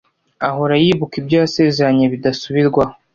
ahora yibuka ibyo yasezeranye bidasubirwaho